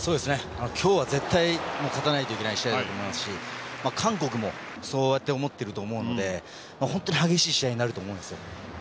今日は絶対勝たないといけない試合だし韓国もそうやって思っていると思うので激しい試合になると思います。